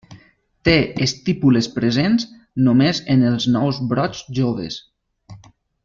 Té estípules presents només en els nous brots joves.